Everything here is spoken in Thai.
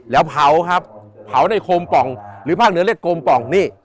แล้วเผาครับเผาในโคมป่องหรือภาคเหนือเรียกกลมป่องนี่